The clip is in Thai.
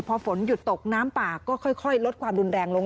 พอฝนหยุดตกน้ำป่าก็ค่อยลดความรุนแรงลง